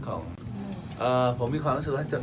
แต่ถ้าเรามีการดูแลเรื่อย